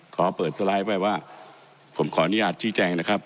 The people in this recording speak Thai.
ขอเปิดสไลด์ไปว่าผมขออนุญาตชี้แจงนะครับ